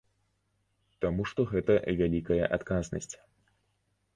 Таму што гэта вялікая адказнасць.